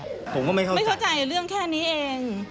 ผมก็ไม่เข้าใจไม่เข้าใจเรื่องแค่นี้เอง